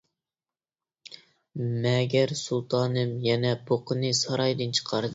مەگەر سۇلتانىم، يەنە بۇقىنى سارايدىن چىقاردى.